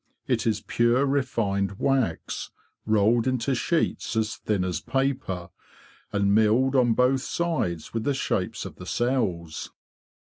It is pure refined wax, rolled into sheets as thin as paper, and milled on both sides with the shapes of the cells.